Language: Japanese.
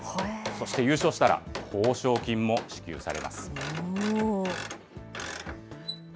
そして、優勝したら報奨金も支給されます。